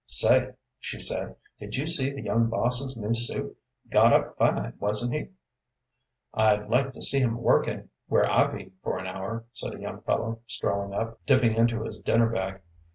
"Say," she said, "did you see the young boss's new suit? Got up fine, wasn't he?" "I'd like to see him working where I be for an hour," said a young fellow, strolling up, dipping into his dinner bag.